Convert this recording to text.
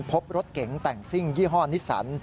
พบรถเก๋งแต่งซิ่งยี่ห้อนิสสัน